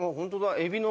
エビの。